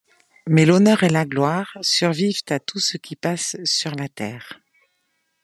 Mais l’honneur et la gloire survivent à tout ce qui passe sur la terre.